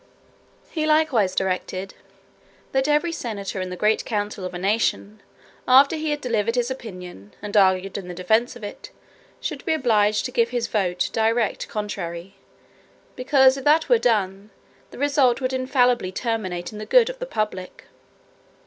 He likewise directed, "that every senator in the great council of a nation, after he had delivered his opinion, and argued in the defence of it, should be obliged to give his vote directly contrary; because if that were done, the result would infallibly terminate in the good of the public."